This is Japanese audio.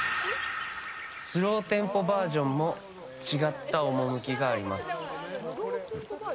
スローテンポバージョンも違った趣があります。